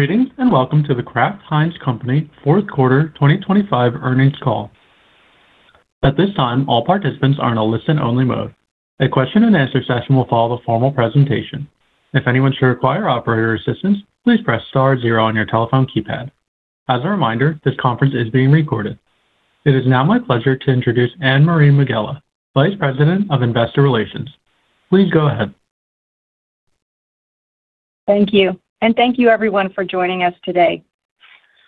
Greetings and welcome to The Kraft Heinz Company fourth quarter 2025 earnings call. At this time, all participants are in a listen-only mode. A question-and-answer session will follow the formal presentation. If anyone should require operator assistance, please press star or zero on your telephone keypad. As a reminder, this conference is being recorded. It is now my pleasure to introduce Anne-Marie Megela, Vice President of Investor Relations. Please go ahead. Thank you. And thank you, everyone, for joining us today.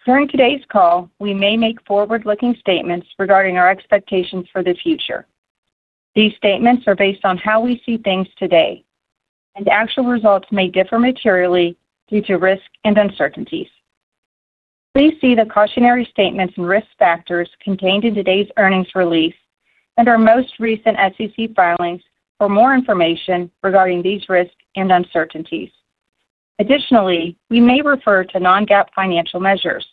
During today's call, we may make forward-looking statements regarding our expectations for the future. These statements are based on how we see things today, and actual results may differ materially due to risk and uncertainties. Please see the cautionary statements and risk factors contained in today's earnings release and our most recent SEC filings for more information regarding these risks and uncertainties. Additionally, we may refer to non-GAAP financial measures.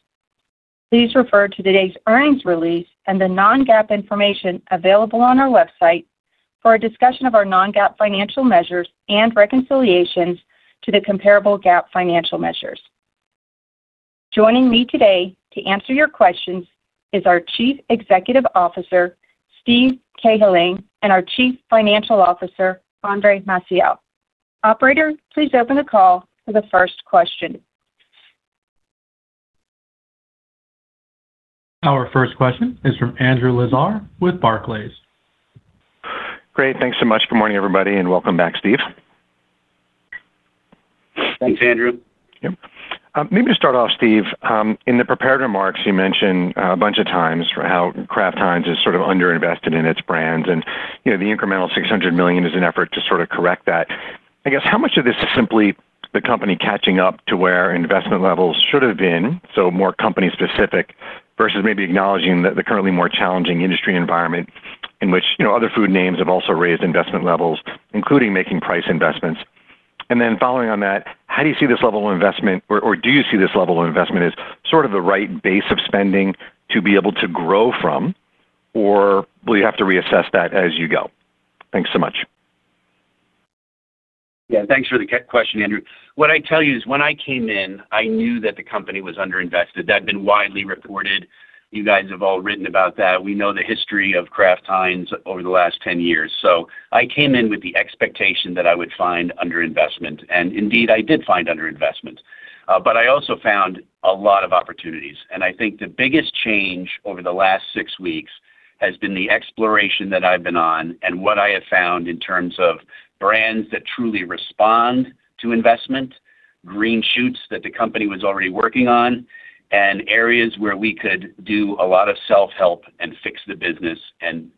Please refer to today's earnings release and the non-GAAP information available on our website for a discussion of our non-GAAP financial measures and reconciliations to the comparable GAAP financial measures. Joining me today to answer your questions is our Chief Executive Officer, Steve Cahillane, and our Chief Financial Officer, Andre Maciel. Operator, please open the call for the first question. Our first question is from Andrew Lazar with Barclays. Great. Thanks so much. Good morning, everybody, and welcome back, Steve. Thanks, Andrew. Yep. Maybe to start off, Steve, in the prepared remarks, you mentioned a bunch of times how Kraft Heinz is sort of underinvested in its brands and the incremental $600 million is an effort to sort of correct that. I guess how much of this is simply the company catching up to where investment levels should have been, so more company-specific versus maybe acknowledging the currently more challenging industry environment in which other food names have also raised investment levels, including making price investments? And then following on that, how do you see this level of investment, or do you see this level of investment as sort of the right base of spending to be able to grow from, or will you have to reassess that as you go? Thanks so much. Yeah. Thanks for the question, Andrew. What I tell you is when I came in, I knew that the company was underinvested. That's been widely reported. You guys have all written about that. We know the history of Kraft Heinz over the last 10 years. So I came in with the expectation that I would find underinvestment, and indeed, I did find underinvestment. But I also found a lot of opportunities. And I think the biggest change over the last six weeks has been the exploration that I've been on and what I have found in terms of brands that truly respond to investment, green shoots that the company was already working on, and areas where we could do a lot of self-help and fix the business and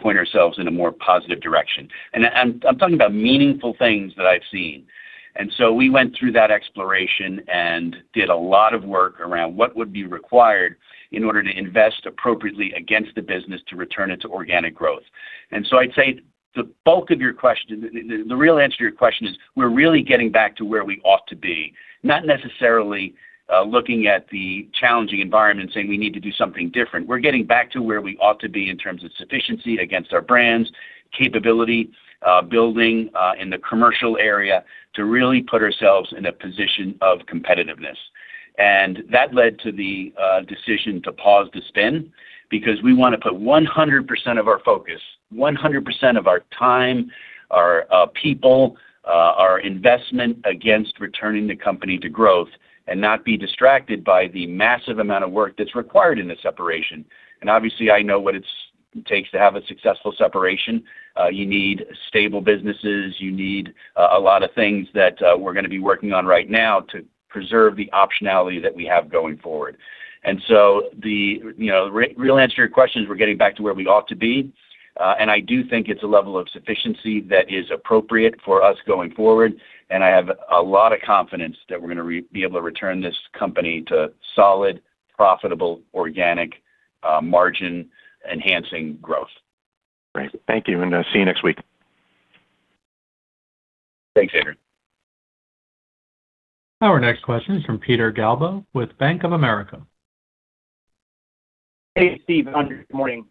point ourselves in a more positive direction. And I'm talking about meaningful things that I've seen. And so we went through that exploration and did a lot of work around what would be required in order to invest appropriately against the business to return it to organic growth. And so I'd say the bulk of your question, the real answer to your question is we're really getting back to where we ought to be, not necessarily looking at the challenging environment and saying, "We need to do something different." We're getting back to where we ought to be in terms of sufficiency against our brands, capability building in the commercial area to really put ourselves in a position of competitiveness. That led to the decision to pause the spin because we want to put 100% of our focus, 100% of our time, our people, our investment against returning the company to growth and not be distracted by the massive amount of work that's required in a separation. Obviously, I know what it takes to have a successful separation. You need stable businesses. You need a lot of things that we're going to be working on right now to preserve the optionality that we have going forward. So the real answer to your question is we're getting back to where we ought to be. I do think it's a level of sufficiency that is appropriate for us going forward. I have a lot of confidence that we're going to be able to return this company to solid, profitable, organic margin-enhancing growth. Great. Thank you. See you next week. Thanks, Andrew. Our next question is from Peter Galbo with Bank of America. Hey, Steve. Good morning.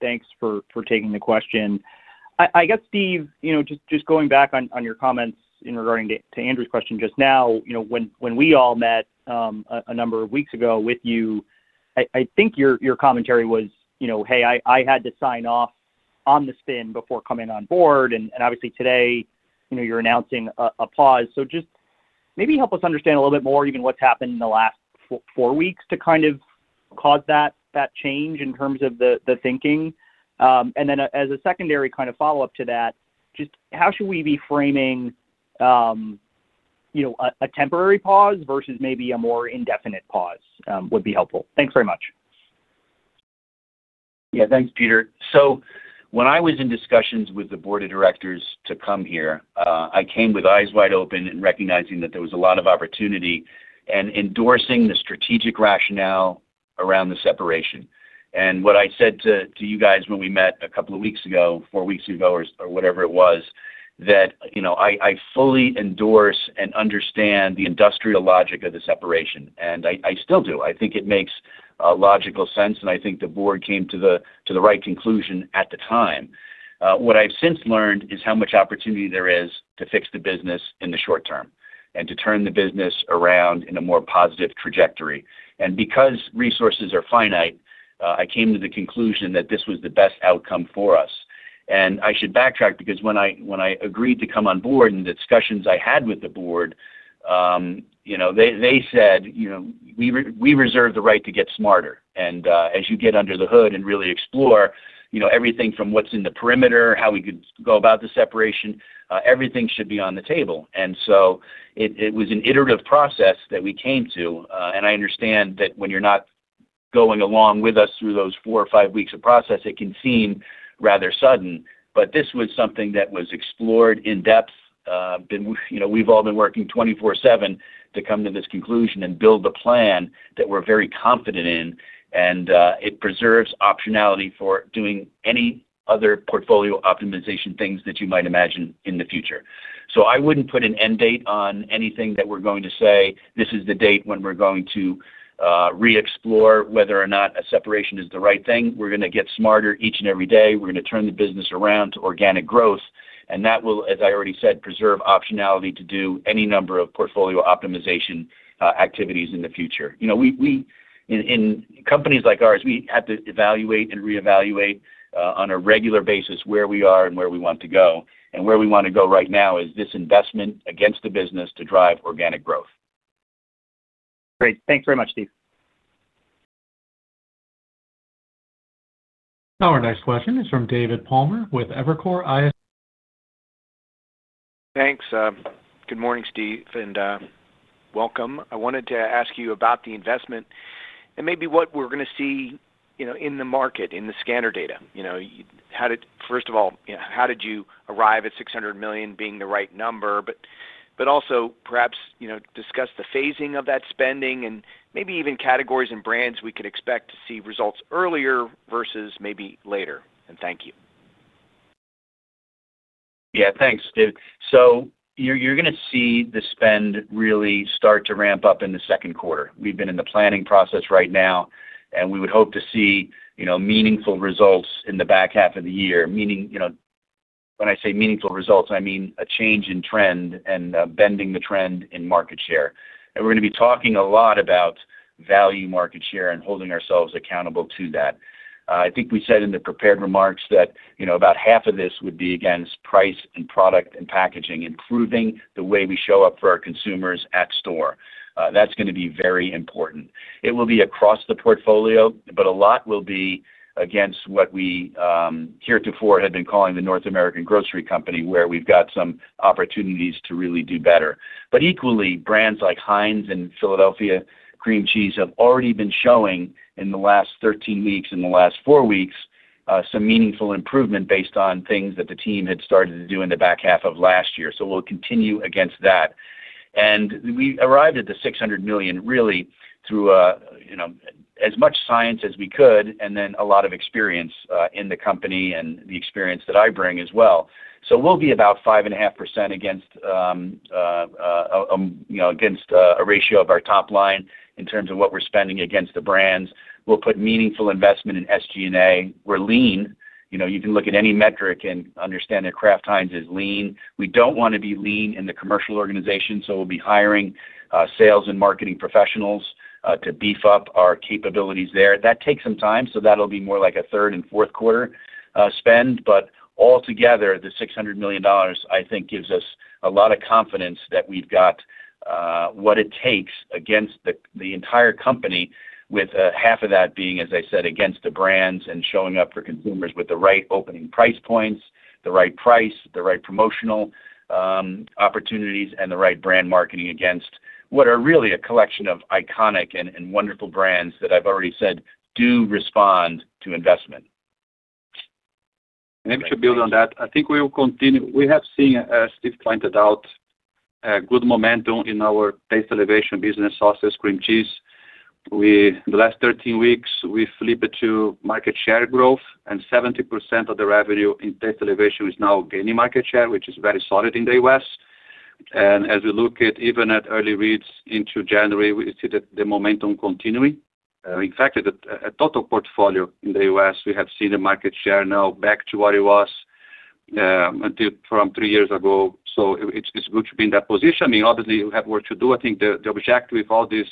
Thanks for taking the question. I guess, Steve, just going back on your comments in regard to Andrew's question just now, when we all met a number of weeks ago with you, I think your commentary was, "Hey, I had to sign off on the spin before coming on board." And obviously, today, you're announcing a pause. So just maybe help us understand a little bit more, even what's happened in the last four weeks to kind of cause that change in terms of the thinking. And then as a secondary kind of follow-up to that, just how should we be framing a temporary pause versus maybe a more indefinite pause would be helpful. Thanks very much. Yeah. Thanks, Peter. So when I was in discussions with the board of directors to come here, I came with eyes wide open and recognizing that there was a lot of opportunity and endorsing the strategic rationale around the separation. And what I said to you guys when we met a couple of weeks ago, 4 weeks ago, or whatever it was, that I fully endorse and understand the industrial logic of the separation. And I still do. I think it makes logical sense, and I think the board came to the right conclusion at the time. What I've since learned is how much opportunity there is to fix the business in the short term and to turn the business around in a more positive trajectory. And because resources are finite, I came to the conclusion that this was the best outcome for us. And I should backtrack because when I agreed to come on board and the discussions I had with the board, they said, "We reserve the right to get smarter." And as you get under the hood and really explore everything from what's in the perimeter, how we could go about the separation, everything should be on the table. And so it was an iterative process that we came to. And I understand that when you're not going along with us through those four or five weeks of process, it can seem rather sudden. But this was something that was explored in depth. We've all been working 24/7 to come to this conclusion and build a plan that we're very confident in. And it preserves optionality for doing any other portfolio optimization things that you might imagine in the future. So I wouldn't put an end date on anything that we're going to say, "This is the date when we're going to re-explore whether or not a separation is the right thing. We're going to get smarter each and every day. We're going to turn the business around to organic growth." And that will, as I already said, preserve optionality to do any number of portfolio optimization activities in the future. In companies like ours, we have to evaluate and re-evaluate on a regular basis where we are and where we want to go. And where we want to go right now is this investment against the business to drive organic growth. Great. Thanks very much, Steve. Our next question is from David Palmer with Evercore ISI. Thanks. Good morning, Steve, and welcome. I wanted to ask you about the investment and maybe what we're going to see in the market, in the scanner data. First of all, how did you arrive at $600 million being the right number, but also perhaps discuss the phasing of that spending and maybe even categories and brands we could expect to see results earlier versus maybe later? And thank you. Yeah. Thanks, David. So you're going to see the spend really start to ramp up in the second quarter. We've been in the planning process right now, and we would hope to see meaningful results in the back half of the year. When I say meaningful results, I mean a change in trend and bending the trend in market share. And we're going to be talking a lot about value market share and holding ourselves accountable to that. I think we said in the prepared remarks that about half of this would be against price and product and packaging, improving the way we show up for our consumers at store. That's going to be very important. It will be across the portfolio, but a lot will be against what we heretofore had been calling the North American Grocery Co., where we've got some opportunities to really do better. But equally, brands like Heinz and Philadelphia Cream Cheese have already been showing in the last 13 weeks, in the last four weeks, some meaningful improvement based on things that the team had started to do in the back half of last year. So we'll continue against that. And we arrived at the $600 million really through as much science as we could and then a lot of experience in the company and the experience that I bring as well. So we'll be about 5.5% against a ratio of our top line in terms of what we're spending against the brands. We'll put meaningful investment in SG&A. We're lean. You can look at any metric and understand that Kraft Heinz is lean. We don't want to be lean in the commercial organization, so we'll be hiring sales and marketing professionals to beef up our capabilities there. That takes some time, so that'll be more like a third and fourth quarter spend. But altogether, the $600 million, I think, gives us a lot of confidence that we've got what it takes against the entire company, with half of that being, as I said, against the brands and showing up for consumers with the right opening price points, the right price, the right promotional opportunities, and the right brand marketing against what are really a collection of iconic and wonderful brands that I've already said do respond to investment. Maybe to build on that, I think we will continue we have seen, as Steve pointed out, good momentum in our Taste Elevation business, sausage, cream cheese. In the last 13 weeks, we flipped to market share growth, and 70% of the revenue in Taste Elevation is now gaining market share, which is very solid in the U.S.. And as we look even at early reads into January, we see that the momentum continuing. In fact, at a total portfolio in the U.S., we have seen the market share now back to what it was from three years ago. So it's good to be in that position. I mean, obviously, we have work to do. I think the objective with all these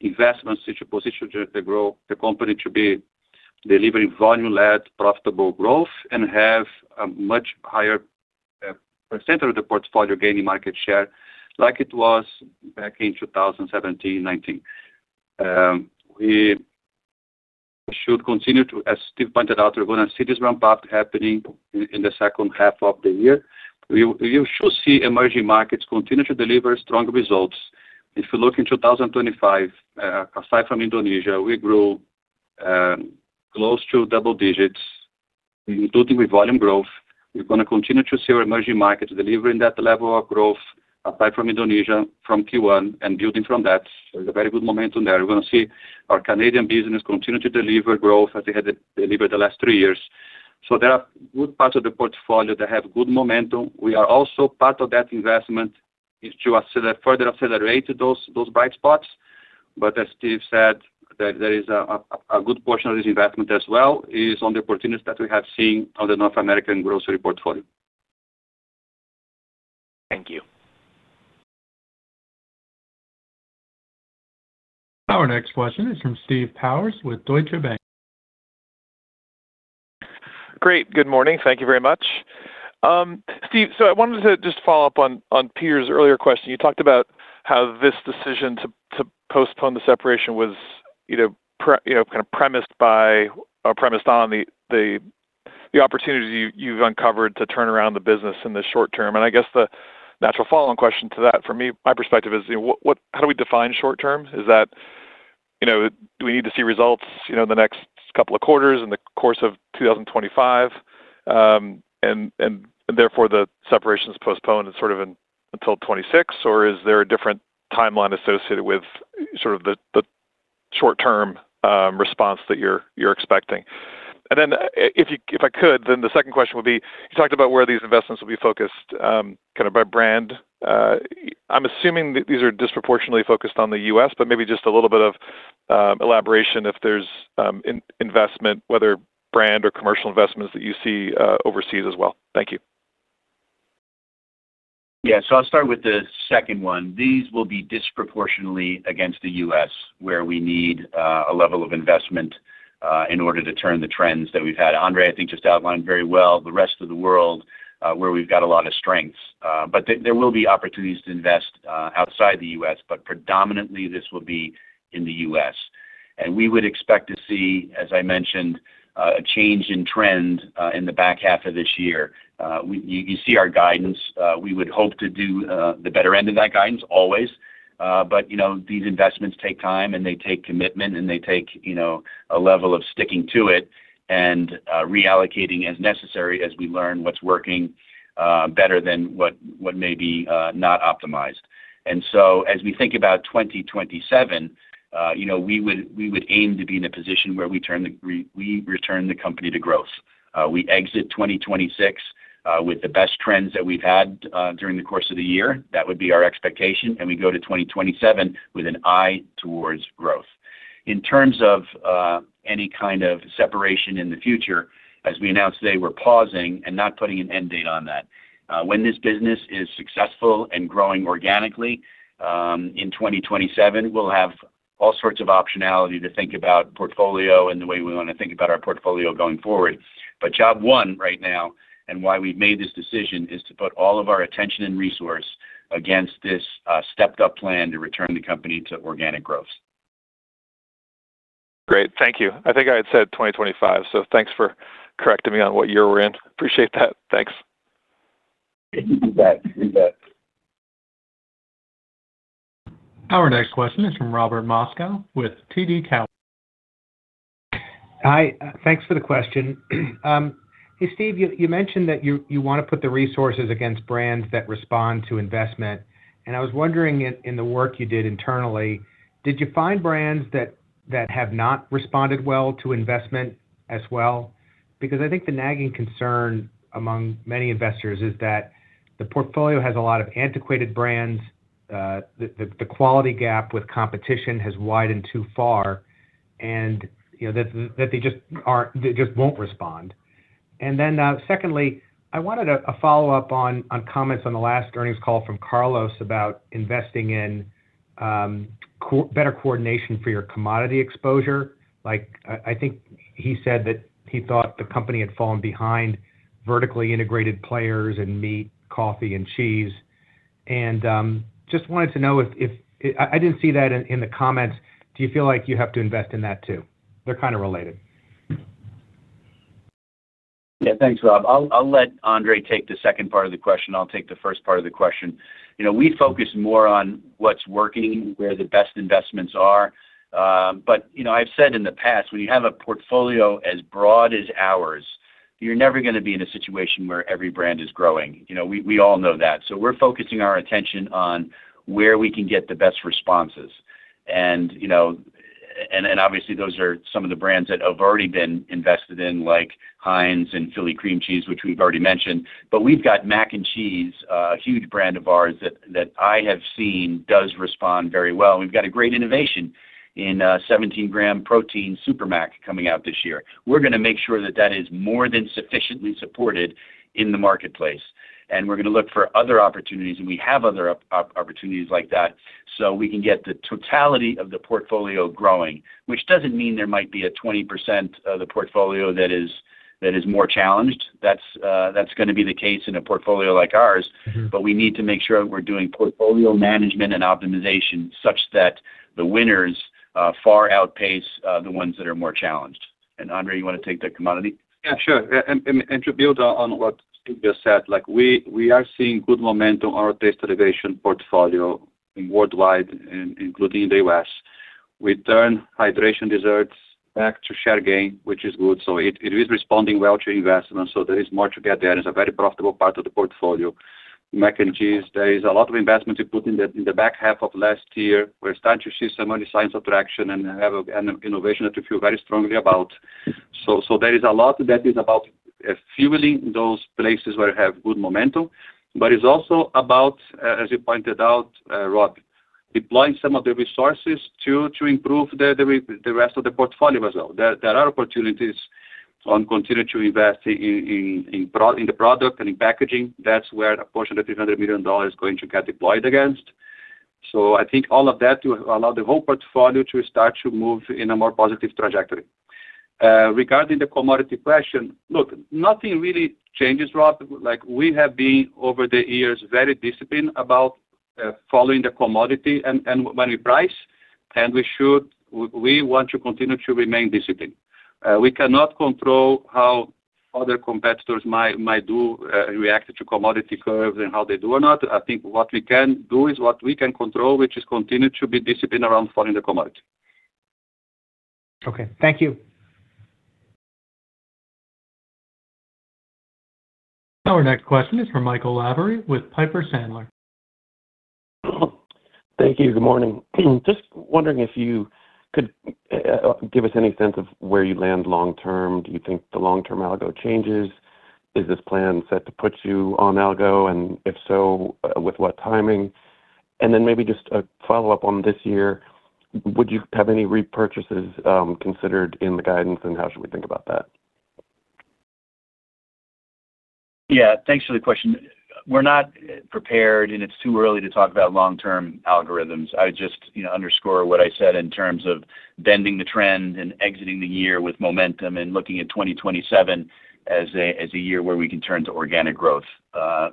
investments is to position the company to be delivering volume-led, profitable growth and have a much higher percentage of the portfolio gaining market share like it was back in 2017, 2019. We should continue to, as Steve pointed out, we're going to see this ramp-up happening in the second half of the year. We should see emerging markets continue to deliver strong results. If you look in 2025, aside from Indonesia, we grew close to double digits, including with volume growth. We're going to continue to see our emerging markets delivering that level of growth aside from Indonesia from Q1 and building from that. So it's a very good momentum there. We're going to see our Canadian business continue to deliver growth as they had delivered the last three years. So there are good parts of the portfolio that have good momentum. We are also part of that investment to further accelerate those bright spots. But as Steve said, there is a good portion of this investment as well is on the opportunities that we have seen on the North American Grocery portfolio. Thank you. Our next question is from Steve Powers with Deutsche Bank. Great. Good morning. Thank you very much. Steve, so I wanted to just follow up on Peter's earlier question. You talked about how this decision to postpone the separation was kind of premised on the opportunities you've uncovered to turn around the business in the short term. And I guess the natural follow-on question to that for me, my perspective, is how do we define short term? Do we need to see results in the next couple of quarters in the course of 2025, and therefore the separation is postponed sort of until 2026? Or is there a different timeline associated with sort of the short-term response that you're expecting? And then if I could, then the second question would be you talked about where these investments will be focused kind of by brand. I'm assuming these are disproportionately focused on the U.S., but maybe just a little bit of elaboration if there's investment, whether brand or commercial investments, that you see overseas as well. Thank you. Yeah. So I'll start with the second one. These will be disproportionately against the U.S., where we need a level of investment in order to turn the trends that we've had. Andre, I think, just outlined very well the rest of the world where we've got a lot of strengths. But there will be opportunities to invest outside the U.S., but predominantly, this will be in the U.S. And we would expect to see, as I mentioned, a change in trend in the back half of this year. You see our guidance. We would hope to do the better end of that guidance, always. But these investments take time, and they take commitment, and they take a level of sticking to it and reallocating as necessary as we learn what's working better than what may be not optimized. So as we think about 2027, we would aim to be in a position where we return the company to growth. We exit 2026 with the best trends that we've had during the course of the year. That would be our expectation. We go to 2027 with an eye towards growth. In terms of any kind of separation in the future, as we announced today, we're pausing and not putting an end date on that. When this business is successful and growing organically in 2027, we'll have all sorts of optionality to think about portfolio and the way we want to think about our portfolio going forward. Job one right now and why we've made this decision is to put all of our attention and resource against this stepped-up plan to return the company to organic growth. Great. Thank you. I think I had said 2025, so thanks for correcting me on what year we're in. Appreciate that. Thanks. Thank you. Our next question is from Robert Moskow with TD Cowen. Hi. Thanks for the question. Hey, Steve, you mentioned that you want to put the resources against brands that respond to investment. And I was wondering, in the work you did internally, did you find brands that have not responded well to investment as well? Because I think the nagging concern among many investors is that the portfolio has a lot of antiquated brands, the quality gap with competition has widened too far, and that they just won't respond. And then secondly, I wanted a follow-up on comments on the last earnings call from Carlos about investing in better coordination for your commodity exposure. I think he said that he thought the company had fallen behind vertically integrated players in meat, coffee, and cheese. And just wanted to know if I didn't see that in the comments. Do you feel like you have to invest in that too? They're kind of related. Yeah. Thanks, Rob. I'll let Andre take the second part of the question. I'll take the first part of the question. We focus more on what's working, where the best investments are. But I've said in the past, when you have a portfolio as broad as ours, you're never going to be in a situation where every brand is growing. We all know that. So we're focusing our attention on where we can get the best responses. And obviously, those are some of the brands that have already been invested in, like Heinz and Philly Cream Cheese, which we've already mentioned. But we've got Mac & Cheese, a huge brand of ours that I have seen does respond very well. And we've got a great innovation in 17 g protein Super Mac coming out this year. We're going to make sure that that is more than sufficiently supported in the marketplace. We're going to look for other opportunities. We have other opportunities like that so we can get the totality of the portfolio growing, which doesn't mean there might be a 20% of the portfolio that is more challenged. That's going to be the case in a portfolio like ours. But we need to make sure we're doing portfolio management and optimization such that the winners far outpace the ones that are more challenged. Andre, you want to take the commodity? Yeah. Sure. And to build on what Steve just said, we are seeing good momentum on our Taste Elevation portfolio worldwide, including in the U.S.. We turn hydration desserts back to share gain, which is good. So it is responding well to investment. So there is more to get there. It's a very profitable part of the portfolio. Mac & Cheese, there is a lot of investment we put in the back half of last year. We're starting to see some early signs of traction and have an innovation that we feel very strongly about. So there is a lot that is about fueling those places where we have good momentum. But it's also about, as you pointed out, Rob, deploying some of the resources to improve the rest of the portfolio as well. There are opportunities on continuing to invest in the product and in packaging. That's where a portion of the $300 million is going to get deployed against. So I think all of that will allow the whole portfolio to start to move in a more positive trajectory. Regarding the commodity question, look, nothing really changes, Rob. We have been, over the years, very disciplined about following the commodity when we price. And we want to continue to remain disciplined. We cannot control how other competitors might do react to commodity curves and how they do or not. I think what we can do is what we can control, which is continue to be disciplined around following the commodity. Okay. Thank you. Our next question is from Michael Lavery with Piper Sandler. Thank you. Good morning. Just wondering if you could give us any sense of where you land long term? Do you think the long-term algo changes? Is this plan set to put you on algo? And if so, with what timing? And then maybe just a follow-up on this year. Would you have any repurchases considered in the guidance, and how should we think about that? Yeah. Thanks for the question. We're not prepared, and it's too early to talk about long-term algorithms. I would just underscore what I said in terms of bending the trend and exiting the year with momentum and looking at 2027 as a year where we can turn to organic growth.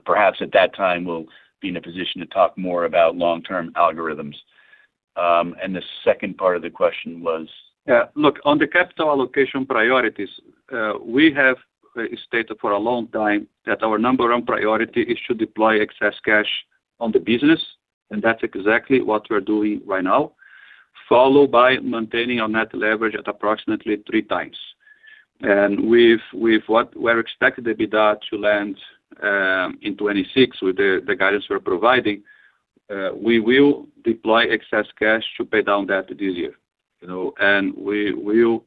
Perhaps at that time, we'll be in a position to talk more about long-term algorithms. And the second part of the question was. Yeah. Look, on the capital allocation priorities, we have stated for a long time that our number one priority is to deploy excess cash on the business. And that's exactly what we're doing right now, followed by maintaining our net leverage at approximately three times. And with what we're expected to be done to land in 2026 with the guidance we're providing, we will deploy excess cash to pay down debt this year. And we will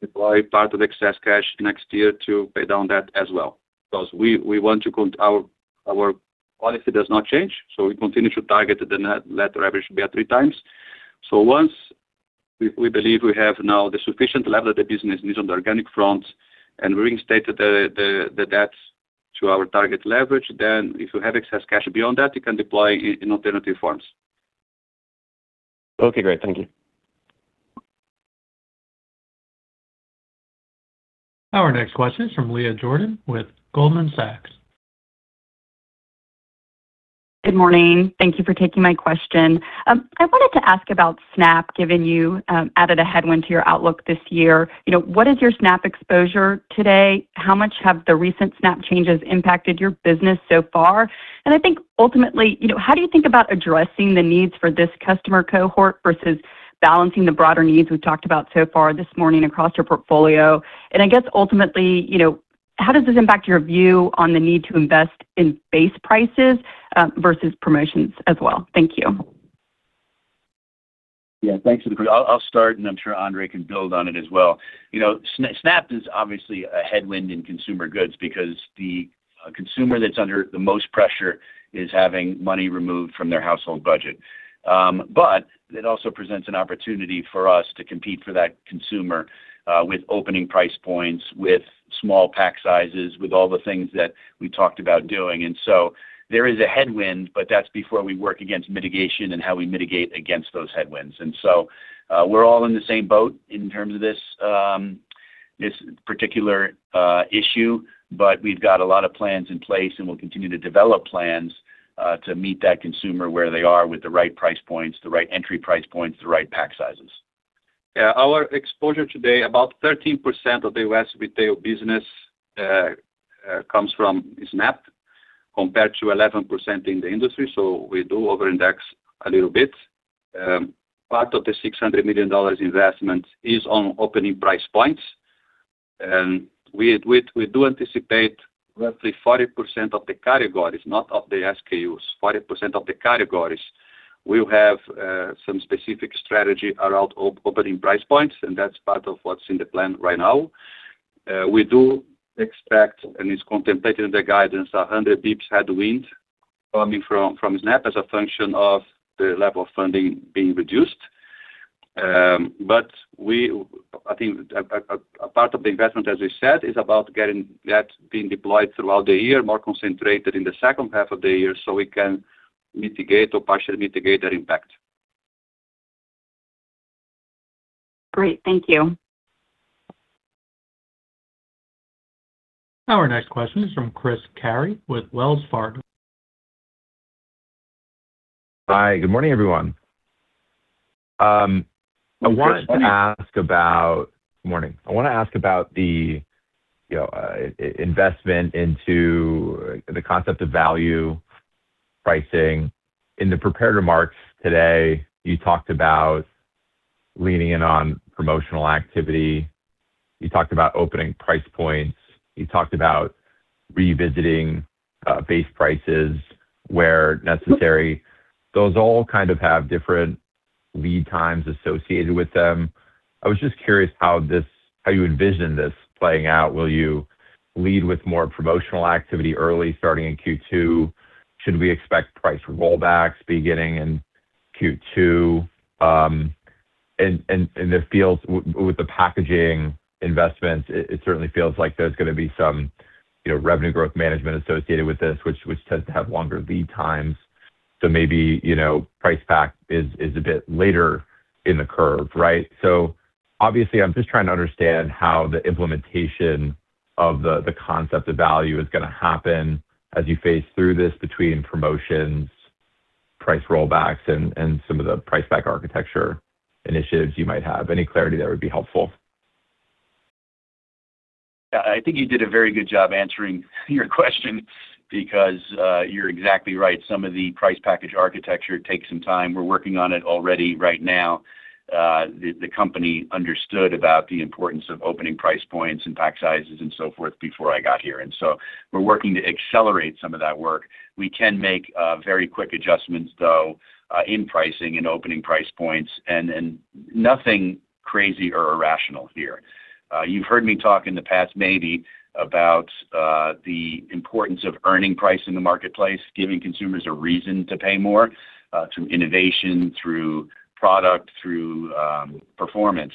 deploy part of the excess cash next year to pay down debt as well because we want to, our policy does not change. So we continue to target the net leverage to be at three times. Once we believe we have now the sufficient level that the business needs on the organic front and we reinstated the debt to our target leverage, then if you have excess cash beyond that, you can deploy in alternative forms. Okay. Great. Thank you. Our next question is from Leah Jordan with Goldman Sachs. Good morning. Thank you for taking my question. I wanted to ask about SNAP, given you added a headwind to your outlook this year. What is your SNAP exposure today? How much have the recent SNAP changes impacted your business so far? And I think, ultimately, how do you think about addressing the needs for this customer cohort versus balancing the broader needs we've talked about so far this morning across your portfolio? And I guess, ultimately, how does this impact your view on the need to invest in base prices versus promotions as well? Thank you. Yeah. Thanks for the greeting. I'll start, and I'm sure Andre can build on it as well. SNAP is obviously a headwind in consumer goods because the consumer that's under the most pressure is having money removed from their household budget. But it also presents an opportunity for us to compete for that consumer with opening price points, with small pack sizes, with all the things that we talked about doing. And so there is a headwind, but that's before we work against mitigation and how we mitigate against those headwinds. And so we're all in the same boat in terms of this particular issue. But we've got a lot of plans in place, and we'll continue to develop plans to meet that consumer where they are with the right price points, the right entry price points, the right pack sizes. Yeah. Our exposure today, about 13% of the U.S. retail business comes from SNAP compared to 11% in the industry. So we do over-index a little bit. Part of the $600 million investment is on opening price points. And we do anticipate roughly 40% of the categories, not of the SKUs, 40% of the categories will have some specific strategy around opening price points. And that's part of what's in the plan right now. We do expect, and it's contemplated in the guidance, 100 basis points headwind coming from SNAP as a function of the level of funding being reduced. But I think a part of the investment, as we said, is about getting that being deployed throughout the year, more concentrated in the second half of the year so we can mitigate or partially mitigate that impact. Great. Thank you. Our next question is from Chris Carey with Wells Fargo. Hi. Good morning, everyone. I want to ask about the investment into the concept of value pricing. In the prepared remarks today, you talked about leaning in on promotional activity. You talked about opening price points. You talked about revisiting base prices where necessary. Those all kind of have different lead times associated with them. I was just curious how you envision this playing out. Will you lead with more promotional activity early, starting in Q2? Should we expect price rollbacks beginning in Q2? And with the packaging investments, it certainly feels like there's going to be some revenue growth management associated with this, which tends to have longer lead times. So maybe price pack is a bit later in the curve, right? Obviously, I'm just trying to understand how the implementation of the concept of value is going to happen as you phase through this between promotions, price rollbacks, and some of the Price Pack Architecture initiatives you might have? Any clarity that would be helpful? Yeah. I think you did a very good job answering your question because you're exactly right. Some of the Price Pack Architecture takes some time. We're working on it already right now. The company understood about the importance of opening price points and pack sizes and so forth before I got here. And so we're working to accelerate some of that work. We can make very quick adjustments, though, in pricing and opening price points. And nothing crazy or irrational here. You've heard me talk in the past, maybe, about the importance of earning price in the marketplace, giving consumers a reason to pay more through innovation, through product, through performance.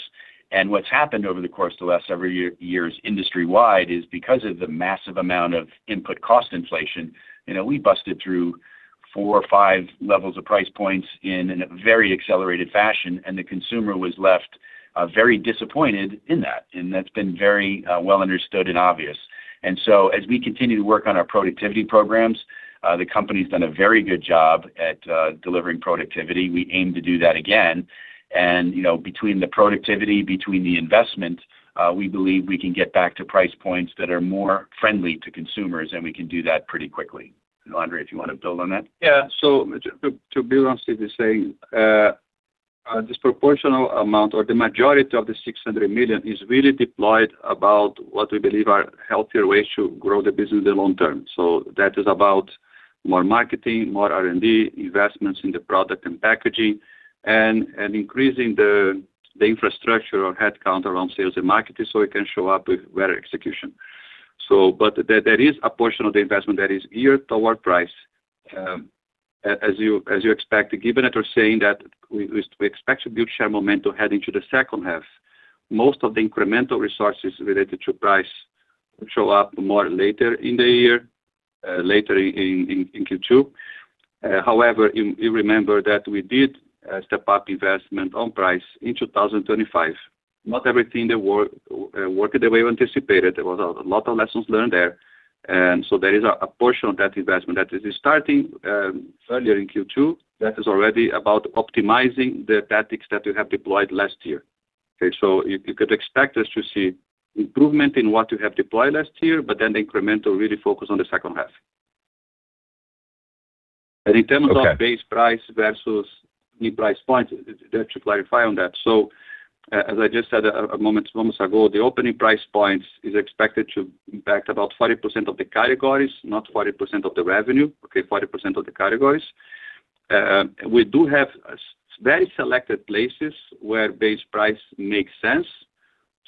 And what's happened over the course of the last several years industry-wide is because of the massive amount of input cost inflation, we busted through four or five levels of price points in a very accelerated fashion. The consumer was left very disappointed in that. That's been very well understood and obvious. So as we continue to work on our productivity programs, the company's done a very good job at delivering productivity. We aim to do that again. Between the productivity, between the investment, we believe we can get back to price points that are more friendly to consumers. We can do that pretty quickly. Andre, if you want to build on that. Yeah. So to build on Steve's saying, a disproportional amount or the majority of the $600 million is really deployed about what we believe are healthier ways to grow the business in the long term. So that is about more marketing, more R&D, investments in the product and packaging, and increasing the infrastructure or headcount around sales and marketing so it can show up with better execution. But there is a portion of the investment that is geared toward price, as you expect, given that we're saying that we expect to build share momentum heading to the second half. Most of the incremental resources related to price will show up more later in the year, later in Q2. However, you remember that we did step up investment on price in 2025. Not everything worked the way we anticipated. There was a lot of lessons learned there. And so there is a portion of that investment that is starting earlier in Q2 that is already about optimizing the tactics that we have deployed last year. Okay? So you could expect us to see improvement in what we have deployed last year, but then the incremental really focus on the second half. And in terms of base price versus new price points, just to clarify on that. So as I just said moments ago, the opening price points is expected to impact about 40% of the categories, not 40% of the revenue, okay, 40% of the categories. We do have very selected places where base price makes sense.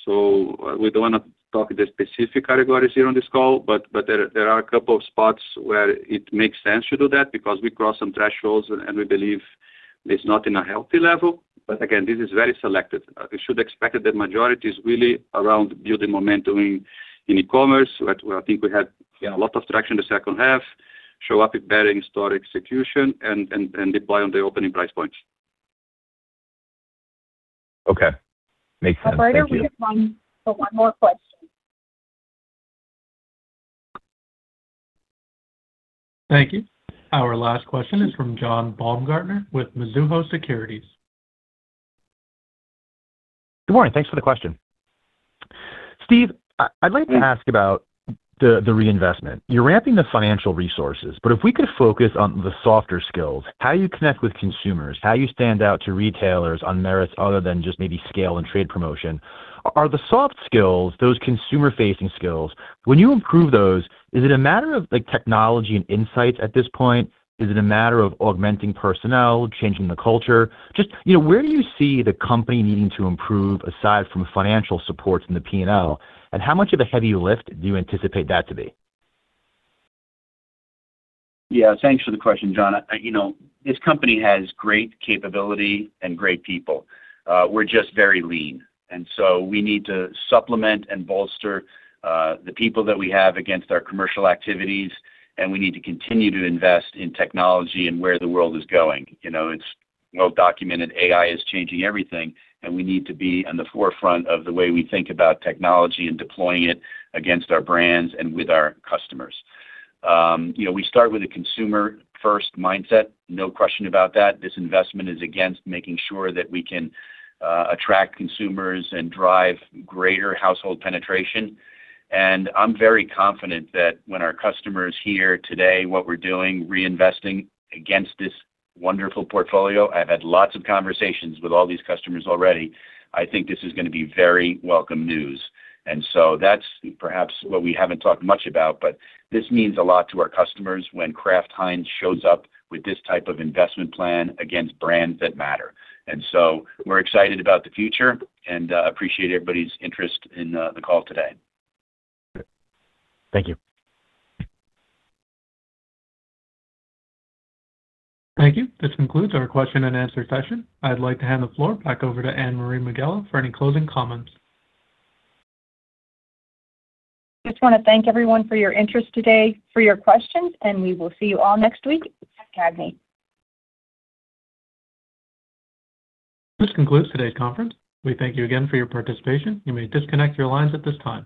We don't want to talk the specific categories here on this call, but there are a couple of spots where it makes sense to do that because we cross some thresholds, and we believe it's not in a healthy level. But again, this is very selected. You should expect that the majority is really around building momentum in e-commerce. I think we had a lot of traction in the second half, show up better in store execution, and deploy on the opening price points. Okay. Makes sense. After, we have one more question. Thank you. Our last question is from John Baumgartner with Mizuho Securities. Good morning. Thanks for the question. Steve, I'd like to ask about the reinvestment. You're ramping the financial resources, but if we could focus on the softer skills, how you connect with consumers, how you stand out to retailers on merits other than just maybe scale and trade promotion, are the soft skills, those consumer-facing skills, when you improve those, is it a matter of technology and insights at this point? Is it a matter of augmenting personnel, changing the culture? Just where do you see the company needing to improve aside from financial supports in the P&L? And how much of a heavy lift do you anticipate that to be? Yeah. Thanks for the question, John. This company has great capability and great people. We're just very lean. And so we need to supplement and bolster the people that we have against our commercial activities. And we need to continue to invest in technology and where the world is going. It's well-documented. AI is changing everything. And we need to be on the forefront of the way we think about technology and deploying it against our brands and with our customers. We start with a consumer-first mindset, no question about that. This investment is against making sure that we can attract consumers and drive greater household penetration. And I'm very confident that when our customers hear today what we're doing, reinvesting against this wonderful portfolio - I've had lots of conversations with all these customers already - I think this is going to be very welcome news. And so that's perhaps what we haven't talked much about, but this means a lot to our customers when Kraft Heinz shows up with this type of investment plan against brands that matter. And so we're excited about the future and appreciate everybody's interest in the call today. Thank you. Thank you. This concludes our question-and-answer session. I'd like to hand the floor back over to Anne-Marie Megela for any closing comments. Just want to thank everyone for your interest today, for your questions, and we will see you all next week at CAGNY. This concludes today's conference. We thank you again for your participation. You may disconnect your lines at this time.